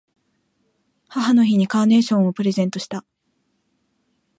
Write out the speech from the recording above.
母の日にカーネーションをプレゼントした。